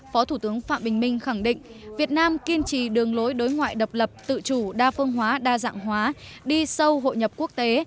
phó thủ tướng phạm bình minh khẳng định việt nam kiên trì đường lối đối ngoại độc lập tự chủ đa phương hóa đa dạng hóa đi sâu hội nhập quốc tế